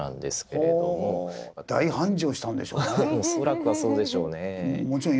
恐らくはそうでしょうね。